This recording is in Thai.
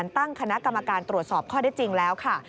ตั้งคณะกรรมการตรวจสอบข้อได้จริงแล้วค่ะ